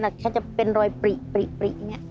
เหมือนจะเป็นรอยปริอย่างนี้